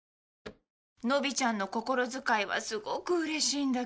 のびちゃんの心遣いはすごくうれしいんだけど。